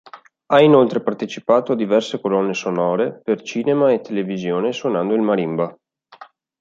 Ha inoltre partecipato a diverse colonne sonore per cinema e televisione suonando il marimba.